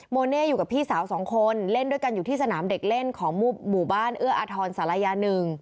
เน่อยู่กับพี่สาวสองคนเล่นด้วยกันอยู่ที่สนามเด็กเล่นของหมู่บ้านเอื้ออาทรศาลายา๑